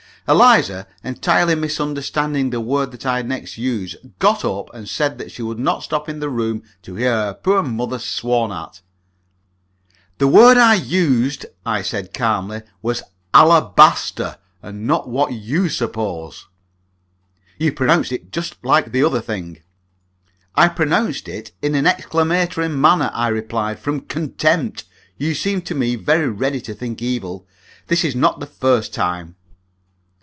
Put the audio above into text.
Eliza, entirely misunderstanding the word that I next used, got up and said that she would not stop in the room to hear her poor mother sworn at. "The word I used," I said, calmly, "was alabaster, and not what you suppose." "You pronounced it just like the other thing." "I pronounced it in an exclamatory manner," I replied, "from contempt! You seem to me very ready to think evil. This is not the first time!"